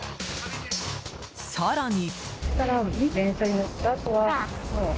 更に。